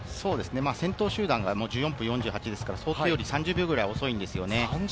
先頭集団が１４分４８ですから、想定より３０秒くらい遅いんですね。